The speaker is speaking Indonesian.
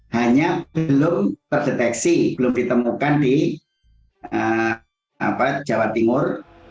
hanya belum terdeteksi belum ditemukan di jawa timur